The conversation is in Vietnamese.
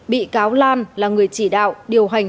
bị cáo lan là người chỉ đạo điều hành